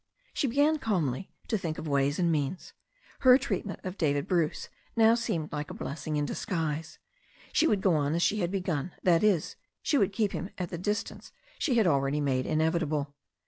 She began calmly to think of ways and means. Her treatment of David Bruce now seemed like a blessing in disguise. She would go on as she had begun; that is, she would keep him at the distance she had already made inevitable.